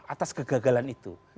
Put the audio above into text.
atas kegagalan itu